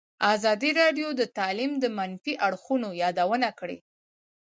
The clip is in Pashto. ازادي راډیو د تعلیم د منفي اړخونو یادونه کړې.